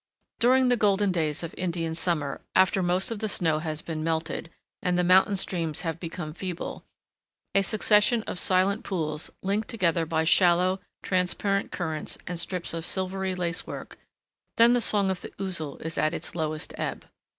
During the golden days of Indian summer, after most of the snow has been melted, and the mountain streams have become feeble,—a succession of silent pools, linked together by shallow, transparent currents and strips of silvery lacework,—then the song of the Ouzel is at its lowest ebb.